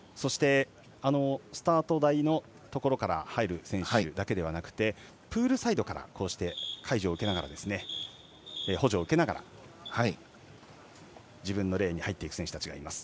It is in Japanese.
スタート台のところから入る選手だけではなくてプールサイドから補助を受けながら自分のレーンに入っていく選手たちがいます。